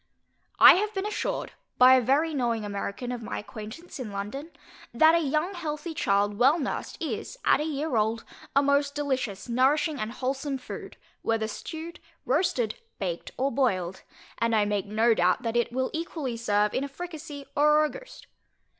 I have been assured by a very knowing American of my acquaintance in London, that a young healthy child well nursed, is, at a year old, a most delicious nourishing and wholesome food, whether stewed, roasted, baked, or boiled; and I make no doubt that it will equally serve in a fricasee, or a ragoust.